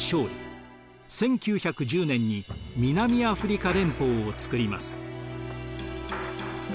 １９１０年に南アフリカ連邦をつくります。